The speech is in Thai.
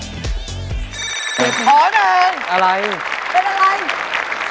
สวัสดีครับ